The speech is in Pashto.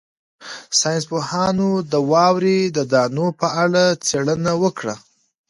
ساینس پوهانو د واورې د دانو په اړه څېړنه وکړه.